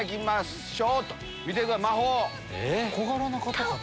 小柄な方かな？